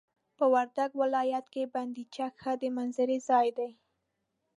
په وردګ ولايت کي بند چک ښه د منظرې ځاي دي.